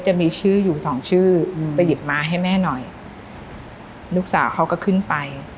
จะมีชื่ออยู่สองชื่อไปหยิบมาให้แม่หน่อยลูกสาวเขาก็ขึ้นไป